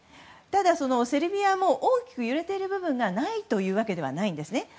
ただ、セルビアも大きく揺れている部分がないというわけではないんです。